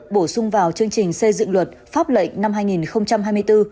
bổ sung vào chương trình xây dựng luật pháp lệnh năm hai nghìn hai mươi bốn